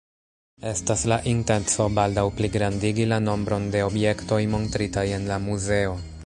Estas la intenco baldaŭ pligrandigi la nombron de objektoj montritaj en la muzeo.